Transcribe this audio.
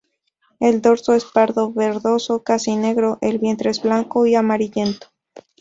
El dorso es pardo verdoso casi negro, el vientre es blanco y amarillento.